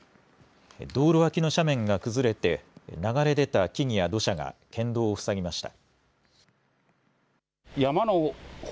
道路脇の斜面が崩れて、流れ出た木々や土砂が県道を塞ぎました。